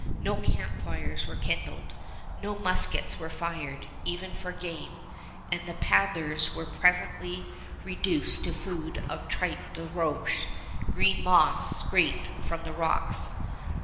No camp fires were kindled. No muskets were fired even for game; and the paddlers were presently reduced to food of tripe de roche green moss scraped from rocks.